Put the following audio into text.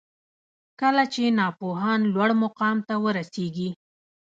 کله چي ناپوهان لوړ مقام ته ورسیږي